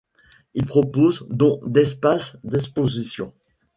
Il propose dont d'espace d'exposition.